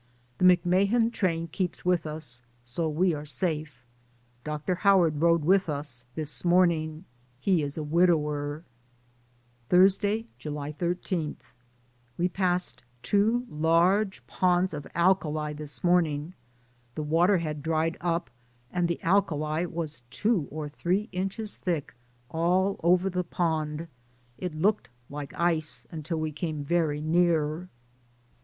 The Mc Mahan train keeps with us, so we are safe. Dr. Howard rode with us this morning; he is a widower. Thursday, July 13. We passed two large ponds of alkali this morning. The water had dried up, and the alkali was two or three inches thick all over the pond; it looked like ice, until we came very near.